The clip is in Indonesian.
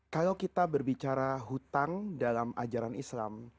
kalau kita berbicara hutang dalam ajaran islam